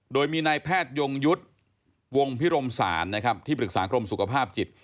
โดยมีนายแพทยงยุทธ์วงพิรมศาลนะครับที่ปรึกษากรมสุขภาพจิต